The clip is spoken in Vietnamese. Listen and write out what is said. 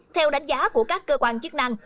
theo đánh giá của các cơ quan chức năng